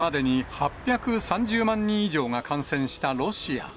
これまでに８３０万人以上が感染したロシア。